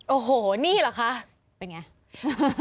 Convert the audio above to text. โอ้โหนี่เหรอคะเป็นอย่างไร